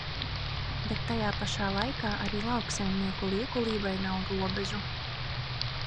Bet tajā pašā laikā arī lauksaimnieku liekulībai nav robežu.